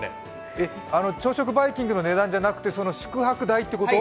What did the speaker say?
えっ、朝食バイキングの値段じゃなくて宿泊代ってこと？